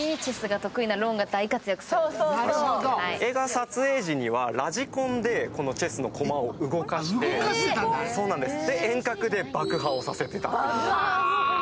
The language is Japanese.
映画撮影時にはラジコンでチェスの駒を動かして、遠隔で爆破をさせていたと。